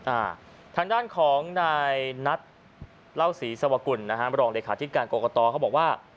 อ่าทางด้านของนายนัทเล่าศรีสวกุลนะฮะรองเลขาธิการกรกตเขาบอกว่า